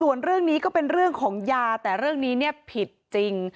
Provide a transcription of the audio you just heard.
ส่วนเรื่องนี้ก็เป็นเรื่องของยาแต่เรื่องนี้เนี่ยผิดจริง